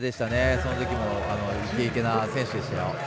そのときもイケイケな選手でしたよ。